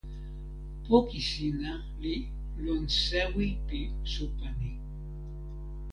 poki sina li lon sewi pi supa ni.